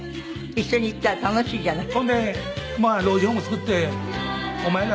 一緒に行ったら楽しいじゃない。